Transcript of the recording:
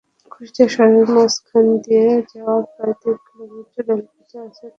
কুষ্টিয়া শহরের মাঝখান দিয়ে যাওয়া প্রায় তিন কিলোমিটার রেলপথে আছে পাঁচটি রেলগেট।